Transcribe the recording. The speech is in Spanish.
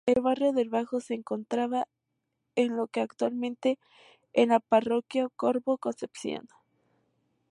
El Barrio del Bajo se encontraba en lo que actualmente en la parroquia Carbo-Concepción.